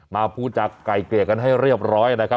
มาพูดจากไก่เกลี่ยกันให้เรียบร้อยนะครับ